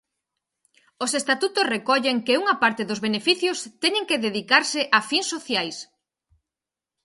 Os estatutos recollen que unha parte dos beneficios teñen que dedicarse a fins sociais.